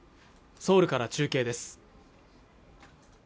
ソウルから中継です